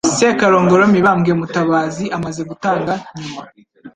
Sekarongoro Mibambwe MutabaziI amaze gutanga nyuma